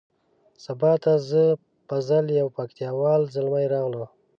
سبا ته زه فضل یو پکتیا وال زلمی راغلو.